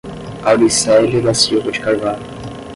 Auricelia da Silva de Carvalho